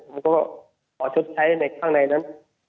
ผมก็ขอชดใช้ในข้างในนั้น